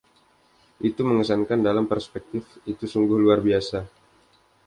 Itu mengesankan; dalam perspektif itu sungguh luar biasa.